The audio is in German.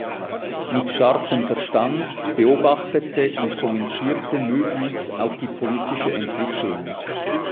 Mit scharfem Verstand beobachtete und kommentierte Möbius auch die politische Entwicklung.